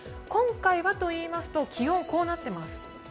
今回はといいますと気温はこうなっています。